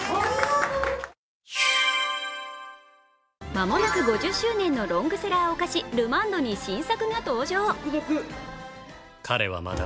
間もなく５０周年のロングセラーお菓子ルマンドに新作が登場。